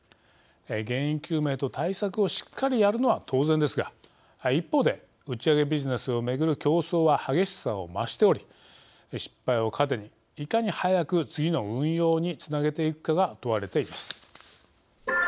原因究明と対策をしっかりやるのは当然ですが一方で打ち上げビジネスを巡る競争は激しさを増しており失敗を糧に、いかに早く次の運用につなげていくかが問われています。